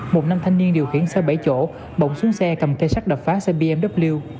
một nam thanh niên điều khiển xe bảy chỗ bỗng xuống xe cầm cây sắt đập phá xe bmw